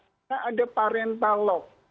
karena ada parental lock